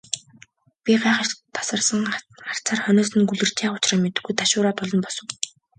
Би гайхаш тасарсан харцаар хойноос нь гөлөрч, яах учраа мэдэхгүй ташуураа тулан босов.